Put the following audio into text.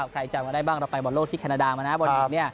ใครจำมาได้บ้างเราไปบอลโลกที่แคนาดามานะบอลหญิง